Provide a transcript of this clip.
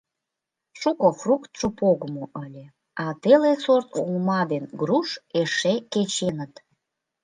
Шуко фруктшо погымо ыле, а теле сорт олма ден груш эше кеченыт.